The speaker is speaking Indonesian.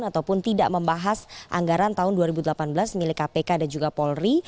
ataupun tidak membahas anggaran tahun dua ribu delapan belas milik kpk dan juga polri